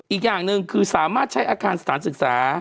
อีกอย่างหนึ่งคือสามารถใช้อาคารสถานศึกษา